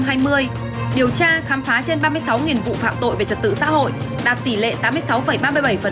điều tra khám phá trên ba mươi sáu vụ phạm tội về trật tự xã hội đạt tỷ lệ tám mươi sáu ba mươi bảy